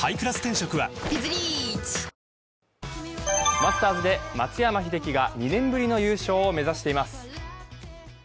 マスターズで松山英樹が２年ぶりの優勝を目指しています。